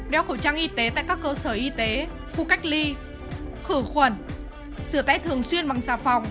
đeo khẩu trang y tế tại các cơ sở y tế khu cách ly khử khuẩn sửa tay thường xuyên bằng xà phòng